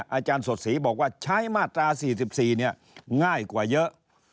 อาจารย์สดศรีบอกว่าใช้มาตรา๔๔ง่ายกว่าเยอะ